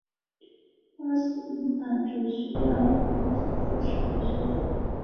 发行版只需要作相对少的修改。